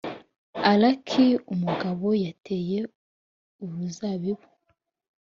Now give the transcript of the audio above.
Lk umugabo yateye uruzabibu